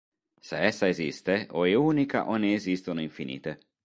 Se essa esiste, o è unica o ne esistono infinite.